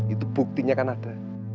itu buktinya kan ada